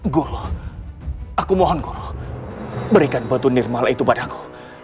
guru aku mohon guru berikan batu nirmala itu padaku